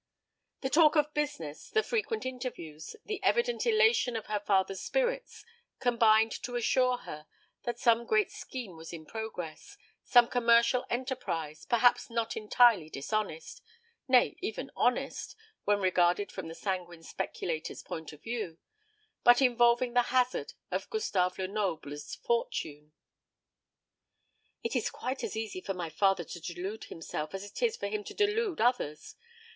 The talk of business, the frequent interviews, the evident elation of her father's spirits, combined to assure her that some great scheme was in progress, some commercial enterprise, perhaps not entirely dishonest nay even honest, when regarded from the sanguine speculator's point of view, but involving the hazard of Gustave Lenoble's fortune. "It is quite as easy for my father to delude himself as it is for him to delude others.